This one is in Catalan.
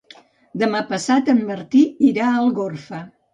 Demà passat en Martí irà a Algorfa.